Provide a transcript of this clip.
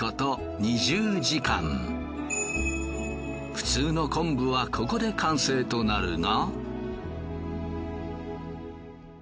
普通の昆布はここで完成となるが。